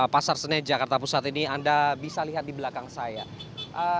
pasar senen jakarta pusat ini anda bisa lihat di belakang saya